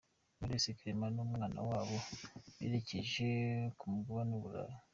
Knowless, Clement n'umwana wabo berekeje ku mugabane w'Uburayi.